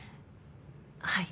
はい。